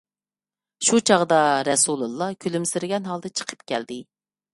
شۇ چاغدا رەسۇلىللا كۈلۈمسىرىگەن ھالدا چىقىپ كەلدى.